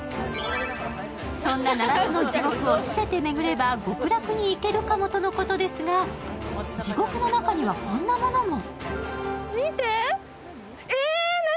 そんな７つの地獄を全て巡れば、極楽に行けるかもとのことですが、地獄の中にはこんなものも。